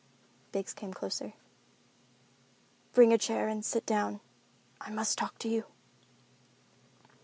Biggs came closer. "Bring a chair and sit down. I must talk to you."